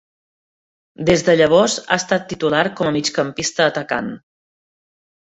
Des de llavors ha estat titular com a migcampista atacant.